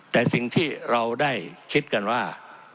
แต่สิ่งที่เราได้คิดกันว่า